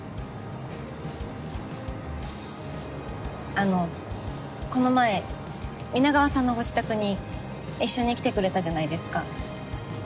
あのこの前皆川さんのご自宅に一緒に来てくれたじゃないですか。